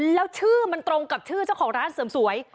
แล้วชื่อมันตรงกับชื่อเจ้าของร้านเสริมสวย